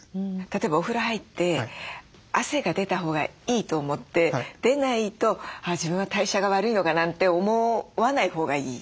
例えばお風呂入って汗が出たほうがいいと思って出ないと「あ自分は代謝が悪いのか」なんて思わないほうがいい？